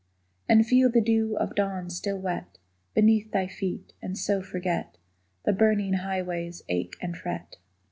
And feel the dew of dawn still wet Beneath thy feet, and so forget The burning highway's ache and fret.